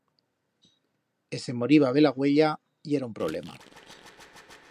E se moriba bela uella yera un problema.